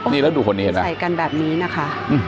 นี่แล้วดูคนนี้เห็นไหมใส่กันแบบนี้นะคะ